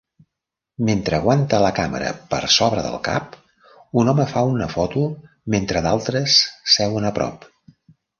Mentre aguanta la càmera per sobre del cap, un home fa una foto mentre d'altres seuen a prop